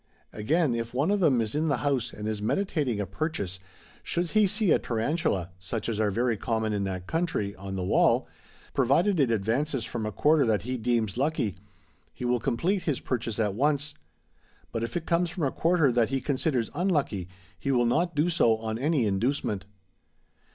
^] Again, if one of them is in the house, and is meditating a purchase, should he see a tarantula (such as are very common in that country) on the wall, provided it advances from a quarter that he deems lucky, he will complete his j)urchase at once ; but if it comes from a quarter that he considers unlucky he will not do so on any inducement.